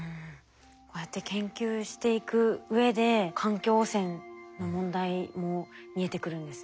こうやって研究していくうえで環境汚染の問題も見えてくるんですね。